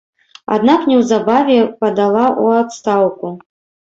Аднак неўзабаве падала ў адстаўку.